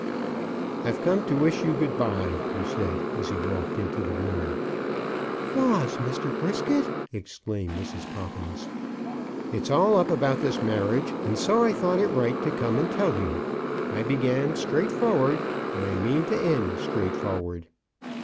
"I've come to wish you good by," he said, as he walked into the room. "Laws, Mr. Brisket!" exclaimed Mrs. Poppins. "It's all up about this marriage, and so I thought it right to come and tell you. I began straightforward, and I mean to end straightforward."